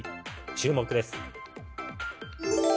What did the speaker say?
注目です。